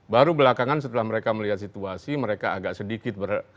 baru belakangan setelah mereka melihat situasi mereka agak sedikit